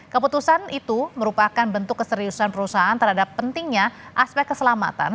keputusan itu merupakan bentuk keseriusan perusahaan terhadap pentingnya aspek keselamatan